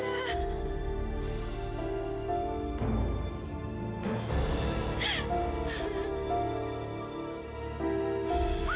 kamu sudah berubah